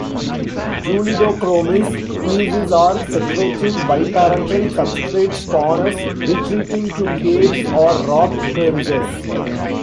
"Julidochromis" species are secretive biparental substrate spawners, retreating to caves or rock crevices.